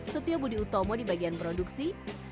setio budi utomo di bagian produksi